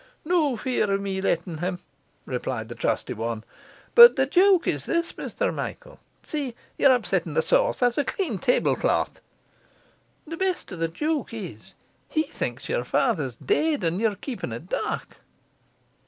'No fear of me lettin' him,' replied the trusty one. 'But the joke is this, Mr Michael see, ye're upsettin' the sauce, that's a clean tablecloth the best of the joke is that he thinks your father's dead and you're keepin' it dark.